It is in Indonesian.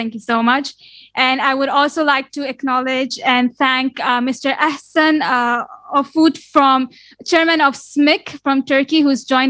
alhamdulillah kita sudah sampai di akhir forum ini